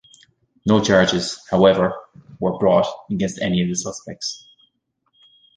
No charges, however, were brought against any of the suspects.